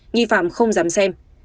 nghị phạm không dám xem